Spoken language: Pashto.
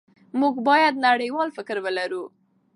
موږ باید نړیوال فکر ولرو.